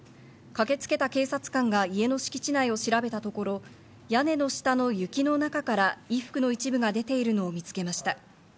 駆けつけた警察官が家の敷地内を調べたところ、屋根の下の雪の中から衣服の一部が出ているのを見つけました。